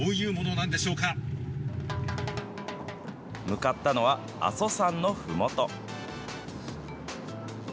向かったのは、阿蘇山のふもと。